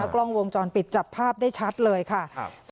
กล้องวงจรปิดจับภาพได้ชัดเลยค่ะ